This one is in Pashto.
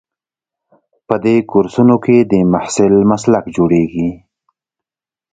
په دې کورسونو کې د محصل مسلک جوړیږي.